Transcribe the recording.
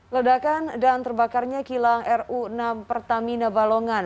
ledakan dan terbakarnya kilang ru enam pertamina balongan